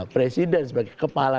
presiden sebagai kepala